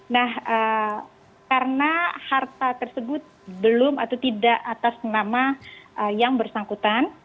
nah karena harta tersebut belum atau tidak atas nama yang bersangkutan